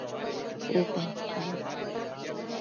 U penquio nec